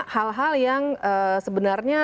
hal hal yang sebenarnya